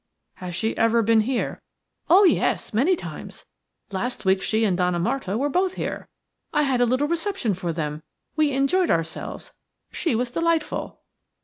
"Has she ever been here?" "Oh, yes, many times. Last week she and Donna Marta were both here. I had a little reception for them. We enjoyed ourselves; she was delightful."